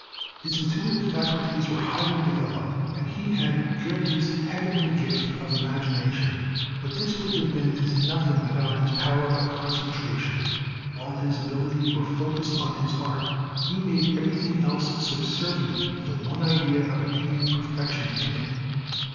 His intuitive faculties were highly developed, and he had Goethe's "heavenly gift" of imagination, but this would have been as nothing without his power of concentration. All his abilities were focused on his art. He made everything else subservient to the one idea of attaining perfection in it.